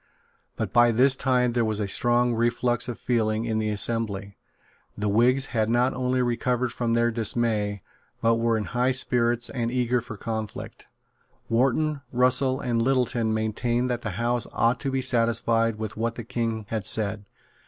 But by this time there was a strong reflux of feeling in the assembly. The Whigs had not only recovered from their dismay, but were in high spirits and eager for conflict. Wharton, Russell and Littleton maintained that the House ought to be satisfied with what the King had said.